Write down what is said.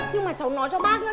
nhưng mà cháu nói cho bác nha